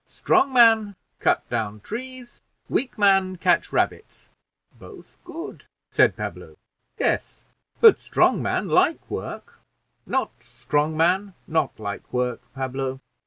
Strong man cut down trees, weak man catch rabbits." "Both good," said Pablo. "Yes, but strong man like work; not strong man not like work, Pablo.